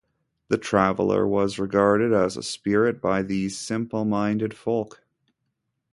The traveller was regarded as a spirit by these simple-minded folk.